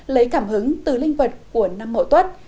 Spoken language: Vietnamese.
lấy cảm hứng từ linh vật của năm mậu tuất